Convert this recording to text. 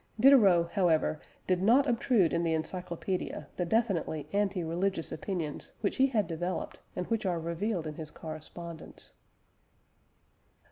Diderot, however, did not obtrude in the Encyclopædia the definitely anti religious opinions which he had developed and which are revealed in his correspondence.